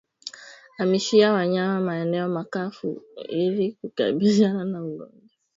Hamishia wanyama maeneo makavu ili kukabiliana na ugonjwa